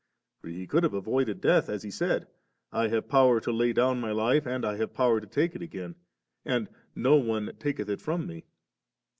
for He could have avoided death, as He said, * I have power to lay down My hfe, and I have power to take it again ;' and ' No one taketh it from Me»* 55.